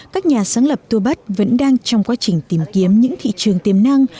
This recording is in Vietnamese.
các nhà sáng lập tô bắt vẫn đang trong quá trình tìm kiếm những thị trường tiềm năng